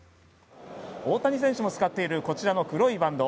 大谷選手も使っているこちらの黒いバンド。